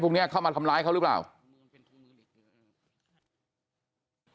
พวกเนี้ยเข้ามาทำร้ายเขาหรือเปล่า